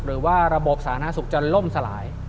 หรือว่าระบบสาธารณสุขจะล่มสลาย